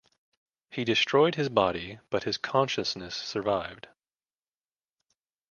He destroyed his body, but his consciousness survived.